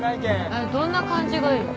えっどんな感じがいいの？